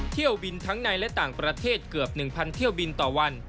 เที่ยวบินทั้งในและต่างประเทศเกือบ๑๐๐เที่ยวบินต่อวัน